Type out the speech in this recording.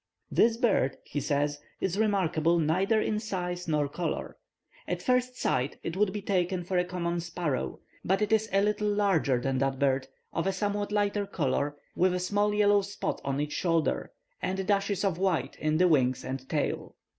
"This bird," he says, "is remarkable neither in size nor colour. At first sight it would be taken for a common sparrow, but it is a little larger than that bird, of a somewhat lighter colour, with a small yellow spot on each shoulder, and dashes of white in the wings and tail.